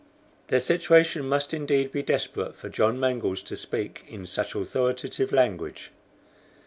Their situation must indeed be desperate for John Mangles to speak in such authoritative language.